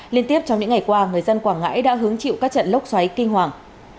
liên tiếp trong những ngày qua người dân quảng ngãi đã hứng chịu các trận lốc xoáy kinh hoàng